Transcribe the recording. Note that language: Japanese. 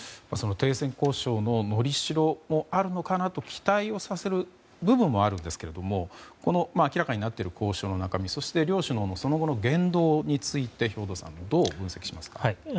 その停戦交渉ののりしろもあるのかなと期待をさせる部分もあるんですけど明らかになっている交渉の中身そして両首脳の言動について兵頭さんどう分析しますか。